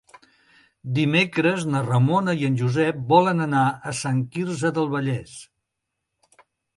Dimecres na Ramona i en Josep volen anar a Sant Quirze del Vallès.